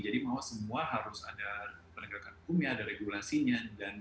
jadi semua harus ada penegakan hukumnya ada regulasinya